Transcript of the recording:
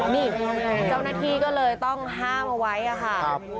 นี่เจ้าหน้าที่ก็เลยต้องห้ามเอาไว้ค่ะ